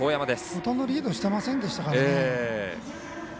ほとんどリードしてませんでしたからね。